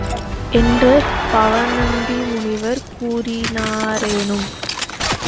என்று பவணந்தி முனிவர் கூறினாரேனும்